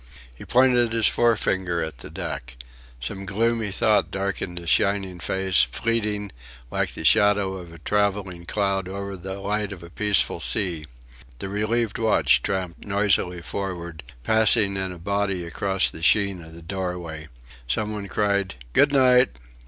He pointed his forefinger at the deck. Some gloomy thought darkened his shining face, fleeting, like the shadow of a travelling cloud over the light of a peaceful sea. The relieved watch tramped noisily forward, passing in a body across the sheen of the doorway. Some one cried, "Good night!"